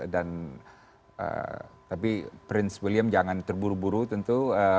dan tapi prince william jangan terburu buru tentu